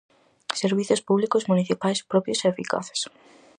Servizos públicos municipais propios e eficaces.